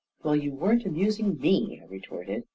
44 Well, you weren't amusing me I " I retorted.